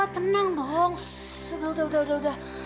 tenang dong sudah sudah sudah